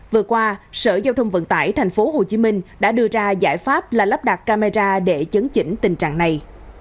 vừa qua sở giao thông vận tải tp hcm đã đưa ra giải pháp là lắp đặt camera để chấn chỉnh tình trạng này